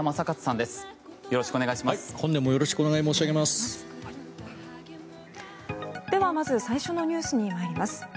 ではまず最初のニュースに参ります。